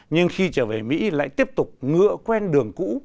nhưng khi trở về mỹ lại tiếp tục ngựa quen đường cũ